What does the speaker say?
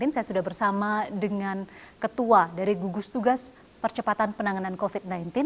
saya sudah bersama dengan ketua dari gugus tugas percepatan penanganan covid sembilan belas